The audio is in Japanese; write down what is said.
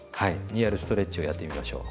にやるストレッチをやってみましょう。